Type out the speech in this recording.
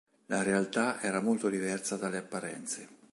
La realtà era molto diversa dalle apparenze.